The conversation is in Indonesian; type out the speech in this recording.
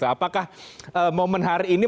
apakah momen hari ini